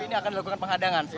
tapi ini akan dilakukan pengadangan